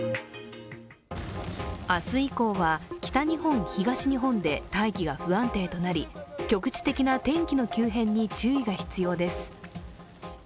明日以降は北日本、東日本で大気が不安定となり局地的な天気の急変に注意が必要です。